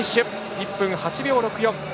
１分８秒６４。